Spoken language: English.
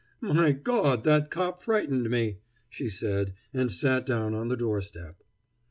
"My Gawd, that cop frightened me!" she said, and sat down on the door step.